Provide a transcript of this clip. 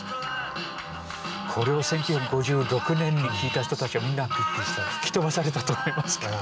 これを１９５６年に聴いた人たちはみんな吹き飛ばされたと思いますけど。